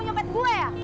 suara itu terserah dulu